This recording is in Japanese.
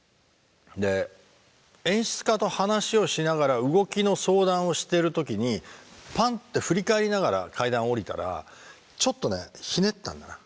で演出家と話をしながら動きの相談をしてる時にパンって振り返りながら階段を下りたらちょっとねひねったんだな。